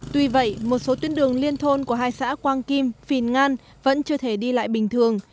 tuy vậy một số tuyến đường liên thôn của hai xã quang kim phìn ngan vẫn chưa thể đi lại bình thường